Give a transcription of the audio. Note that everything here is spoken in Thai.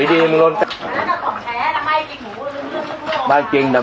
ที่เหลือตั้งหมดเลย